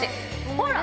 ほら！